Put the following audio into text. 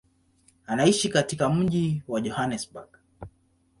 Anaishi katika mji wa Johannesburg.